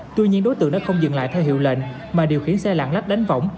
tuy nhiên đối tượng đã không dừng lại theo hiệu lệnh mà điều khiển xe lạng lách đánh võng